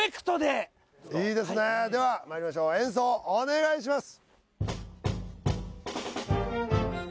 いいですねではまいりましょう演奏お願いします